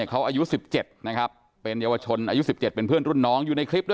เขาอายุ๑๗นะครับเป็นเยาวชนอายุ๑๗เป็นเพื่อนรุ่นน้องอยู่ในคลิปด้วย